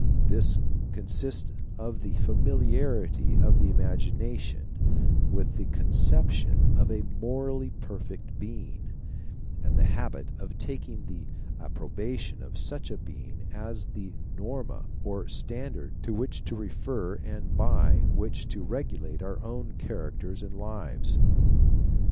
This con sists of the familiarity of the imagination with the conception of a moralty perfect Being, and the habit of taking the approbation of such a Being as the norma or standard to which to refer and by which to regulate our own characters and lives.